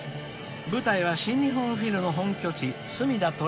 ［舞台は新日本フィルの本拠地］